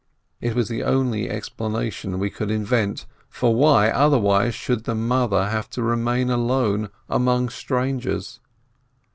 It was the only explanation we could invent, for why, otherwise, should the mother have to remain alone among strangers?